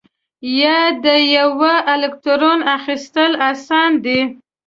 یا د یوه الکترون اخیستل آسان دي؟